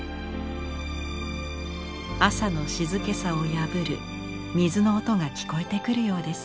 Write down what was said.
朝の静けさを破る水の音が聞こえてくるようです。